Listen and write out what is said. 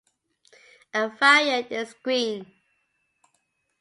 A variant is Greene.